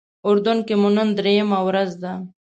اردن کې مو نن درېیمه ورځ ده.